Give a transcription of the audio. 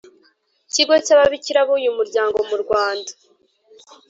Kigo cy Ababikira b uyu Muryango mu Rwanda